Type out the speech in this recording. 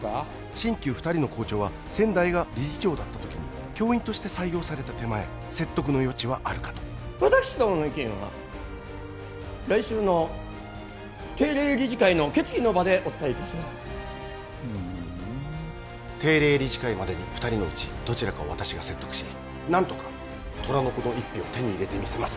新旧二人の校長は先代が理事長だった時に教員として採用された手前説得の余地はあるかと私どもの意見は来週の定例理事会の決議の場でお伝えいたしますふん定例理事会までに二人のうちどちらかを私が説得し何とか虎の子の１票を手に入れてみせます